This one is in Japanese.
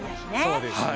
そうですね